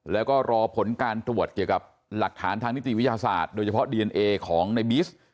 แล้วก็รอผลการตรวจเกี่ยวกับหลักฐานทางนิติวิทยาศาสตร์โดยเฉพาะดีเอนเอของในบีส